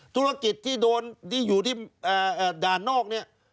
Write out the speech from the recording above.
ธุรกิจที่โดนที่อยู่ที่ด่านนอกเนี่ย